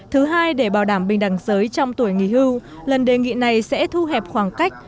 thứ hai để bảo đảm bình đẳng giới trong tuổi nghỉ hưu lần đề nghị này sẽ thu hẹp khoảng cách